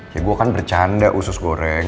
ya gue kan bercanda usus goreng